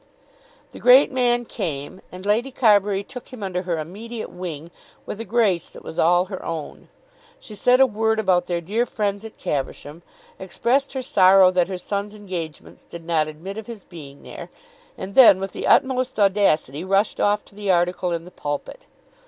The great man came, and Lady Carbury took him under her immediate wing with a grace that was all her own. She said a word about their dear friends at Caversham, expressed her sorrow that her son's engagements did not admit of his being there, and then with the utmost audacity rushed off to the article in the "Pulpit."